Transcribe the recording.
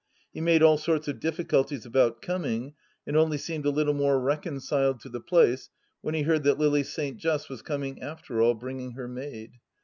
He made all sorts of difficulties about coming, and only seemed a little more reconciled to the place when he heard that Lily St. Just was coming after all, bringing her maid.